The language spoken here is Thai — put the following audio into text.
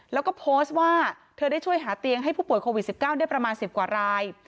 แล้วก็โพสต์ว่าเธอได้ช่วยหาเตียงให้ผู้ป่วยโควิด๑๙ได้ประมาณ๑๐กว่าราย